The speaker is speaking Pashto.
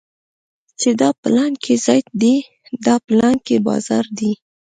چې دا پلانکى ځاى دى دا پلانکى بازار دى.